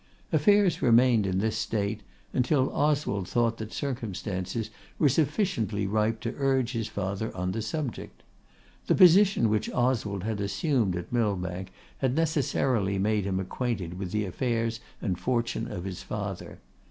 Affairs remained in this state, until Oswald thought that circumstances were sufficiently ripe to urge his father on the subject. The position which Oswald had assumed at Millbank had necessarily made him acquainted with the affairs and fortune of his father.